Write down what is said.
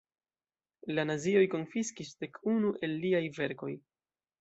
La nazioj konfiskis dek unu el liaj verkoj.